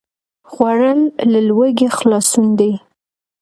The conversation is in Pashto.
خوړل له لوږې خلاصون دی